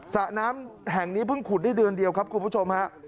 สระน้ำแห่งนี้เพิ่งขุดได้เดือนเดียวครับคุณผู้ชมฮะ